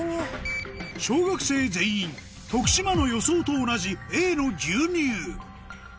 小学生全員徳島の予想と同じＡの「牛乳」